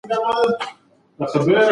که تشویق وي نو زده کوونکی نه ناهیلی کیږي.